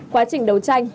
quá trình đấu tranh